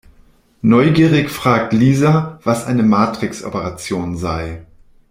Neugierig fragt Lisa, was eine Matrixoperation sei.